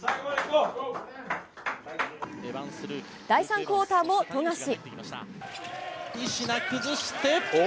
第３クオーターも富樫。